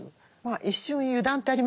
一瞬の油断ってありますよね。